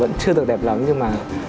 vẫn chưa được đẹp lắm nhưng mà